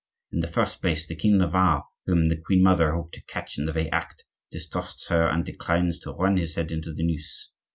In the first place, the king of Navarre, whom the queen mother hoped to catch in the very act, distrusts her, and declines to run his head into the noose.